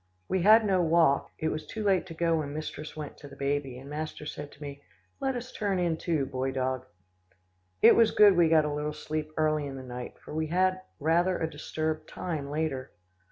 We had no walk it was too late to go when mistress went to the baby, and master said to me, "Let us turn in too, Boy Dog." It was good we got a little sleep early in the night, for we had rather a disturbed time later.